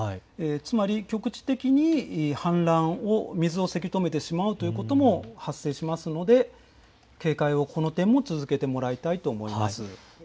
つまり、局地的に氾濫を、水をせき止めてしまうということも発生しますので、警戒をこの点も続けてもらいたいと思います。